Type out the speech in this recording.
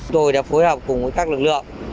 tôi đã phối hợp cùng các lực lượng